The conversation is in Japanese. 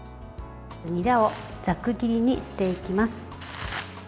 にらをざく切りにしていきます。